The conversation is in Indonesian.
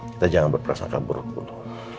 kita jangan berperasaan buruk dulu